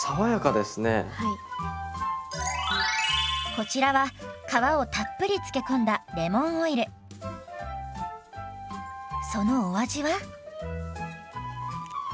こちらは皮をたっぷり漬け込んだそのお味は？